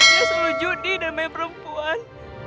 dia selalu judi dan main perempuan